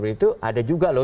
itu ada juga loh